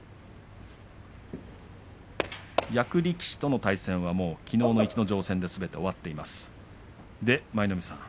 役力士との対戦はもうきのうの逸ノ城戦ですべて終わっています。